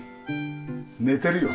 寝てるよ。